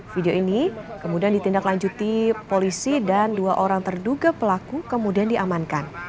video ini kemudian ditindaklanjuti polisi dan dua orang terduga pelaku kemudian diamankan